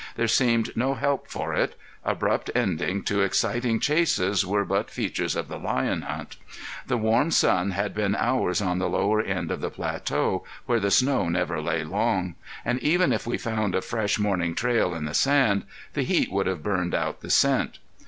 There seemed no help for it; abrupt ending to exciting chases were but features of the lion hunt. The warm sun had been hours on the lower end of the plateau, where the snow never lay long; and even if we found a fresh morning trail in the sand, the heat would have burned out the scent.